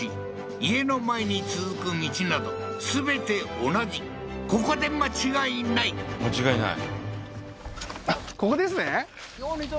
家の前に続く道など全て同じここで間違いない間違いない？